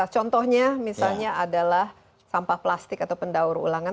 contohnya misalnya adalah sampah plastik atau pendaur ulangan